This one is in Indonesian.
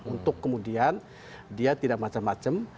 untuk kemudian dia tidak macam macam